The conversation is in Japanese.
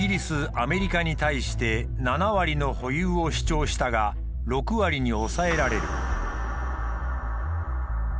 アメリカに対して７割の保有を主張したが６割に抑えられる。